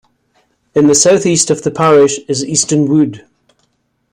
In the south-east of the parish is Easton Wood.